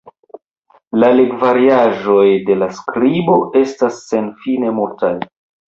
La legvariaĵoj de la skribo estas senfine multaj.